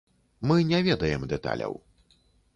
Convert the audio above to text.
Мы не ведаем дэталяў.